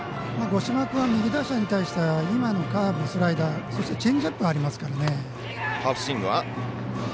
五島君は右打者に対しては今のカーブスライダーそしてチェンジアップがありますからね。